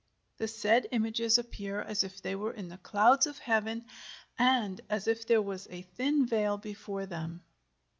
The said images appear as if they were in the clouds of heaven, and as if there was a thin veil before them.